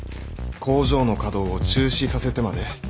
工場の稼働を中止させてまで？